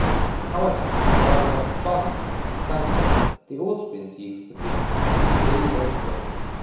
However, while the "Bund" expanded the Austrians used the peace to regain their strength.